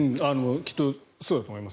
きっとそうだと思います。